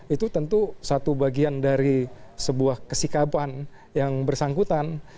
itu tentu satu bagian dari sebuah kesikapan yang bersangkutan